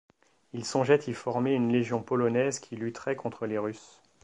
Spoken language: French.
Il songeait y former une légion polonaise qui lutterait contre les Russes.